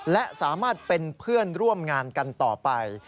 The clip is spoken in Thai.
และสามารถเป็นเพื่อนร่วมงานกันต่อไป